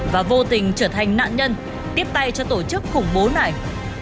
và vô tình trở thành nạn nhân tiếp tay cho tổ chức khủng bố này